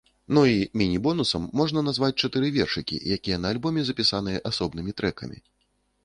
Ну і мінібонусам можна назваць чатыры вершыкі, якія на альбоме запісаныя асобнымі трэкамі.